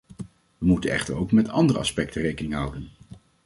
Wij moeten echter ook met andere aspecten rekening houden.